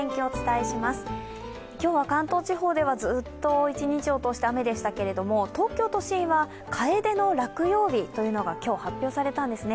今日は関東地方ではずっと一日を通して雨でしたけれども、東京都心はかえでの落葉日というのが今日発表されたんですね。